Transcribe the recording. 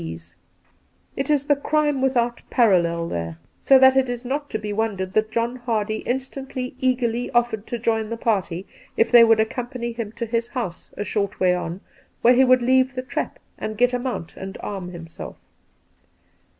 's. It is the crime without parallel there, so that it is not to be wondered at that John Hardy instantly eagerly offered to join the party if they would accompany him to his house, a short way on, where he would leave the trap, and get a mount and arm himself.